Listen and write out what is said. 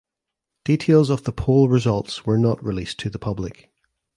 Details of the poll results were not released to the public.